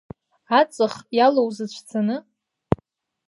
Аҵых иалоу зыҽӡаны?